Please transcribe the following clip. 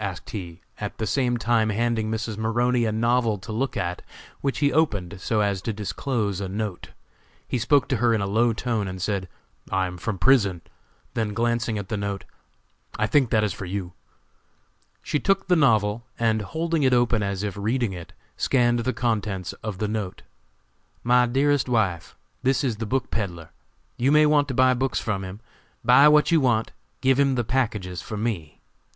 asked he, at the same time handing Mrs. Maroney a novel to look at, which he opened so as to disclose a note. He spoke to her in a low tone and said: "I am from prison," then glancing at the note, "I think that is for you." She took the novel, and, holding it open as if reading it, scanned the contents of the note: "MY DEAREST WIFE: This is the book peddler. You will want to buy books from him. Buy what you want. Give him the packages for me.